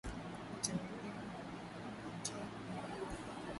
viatamini A hupotea kwenye jua